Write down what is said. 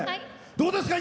どうですか？